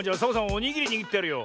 おにぎりにぎってやるよ。